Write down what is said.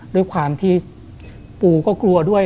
ด้วยความที่ปูก็กลัวด้วย